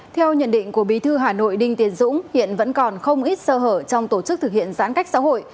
theo nhận định của bí thư hà nội đinh tiến dũng hiện vẫn còn không ít sơ hở trong tổ chức thực hiện giãn cách xã hội